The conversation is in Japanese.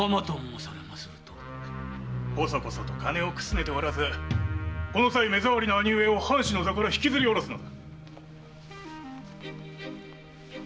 〔こそこそと金をくすねておらずこの際目障りな兄上を藩主の座から引きずり下ろす〕